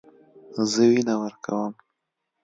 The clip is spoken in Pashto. زه وینه ورکوم.